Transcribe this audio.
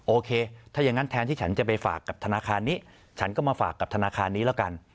โอเคถ้าอย่างนั้นแทนที่ฉันจะไปฝากกับธนาคารนี้ฉันก็มาฝากกับธนาคารนี้แล้วกัน